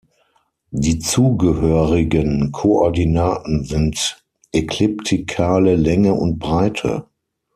Die zugehörigen Koordinaten sind ekliptikale Länge und Breite.